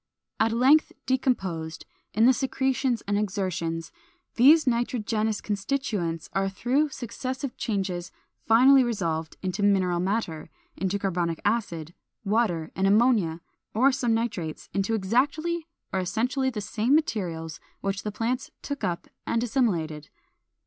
At length decomposed, in the secretions and excretions, these nitrogenous constituents are through successive changes finally resolved into mineral matter, into carbonic acid, water, and ammonia or some nitrates, into exactly or essentially the same materials which the plants took up and assimilated.